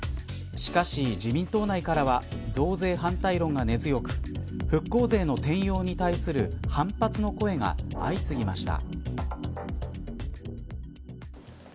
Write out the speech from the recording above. しかし、自民党内からは増税反対論が根強く復興税の転用に対する反発の声が相次ぎました。